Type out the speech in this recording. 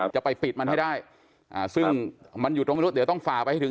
จะไปปิดมันให้ได้ซึ่งมันอยู่ตรงนู้นเดี๋ยวต้องฝ่าไปให้ถึง